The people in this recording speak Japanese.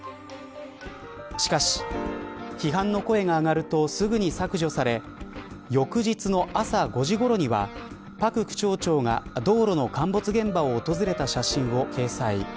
しかし、批判の声が上がるとすぐに削除され翌日の朝５時ごろにはパク区庁長が道路の陥没現場を訪れた写真を掲載。